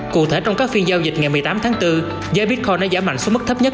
cụ thể trong các phiên giao dịch ngày một mươi tám tháng bốn giá bitcon đã giảm mạnh xuống mức thấp nhất